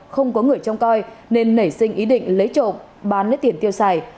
không có người trông coi nên nảy sinh ý định lấy trộm bán lấy tiền tiêu xài